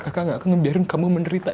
kakak gak akan ngebiarin kamu menderita